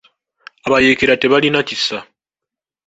Abayeekera tebalina kisa.